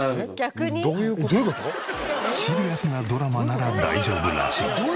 シリアスなドラマなら大丈夫らしい。